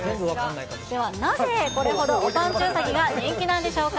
ではなぜ、これほどおぱんちゅうさぎが人気なんでしょうか。